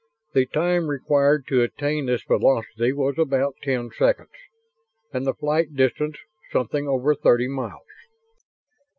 The time required to attain this velocity was about ten seconds, and the flight distance something over thirty miles.